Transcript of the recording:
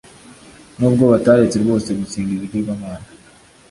n’ubwo bataretse rwose gusenga ibigirwamana